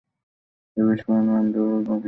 এই বিস্ফোরণের নাম দেওয়া হল বিগ ব্যাং।